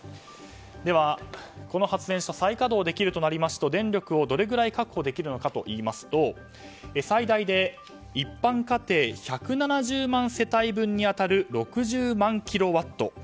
では、この発電所再稼働できるとなりますと電力をどれくらい確保できるのかと言いますと最大で一般家庭１７０万世帯分に当たる６０万キロワット。